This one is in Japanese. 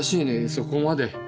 そこまで。